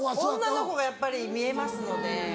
女の子がやっぱりみえますので。